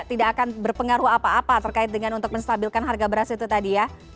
tidak akan berpengaruh apa apa terkait dengan untuk menstabilkan harga beras itu tadi ya